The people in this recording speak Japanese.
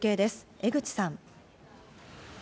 江口さん。